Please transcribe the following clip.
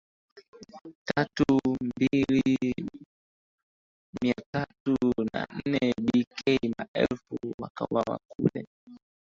tatu na mbili na mia tatu na nane B K maelfu wakauawa kule